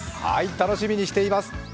楽しみにしています。